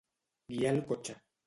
Guiar el cotxe.